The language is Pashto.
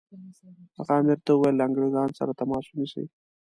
هغه امیر ته وویل له انګریزانو سره تماس ونیسي.